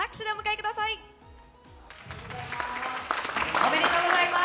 おめでとうございます。